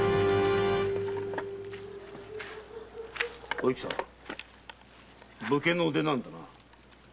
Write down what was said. おゆきさん武家の出なんだな？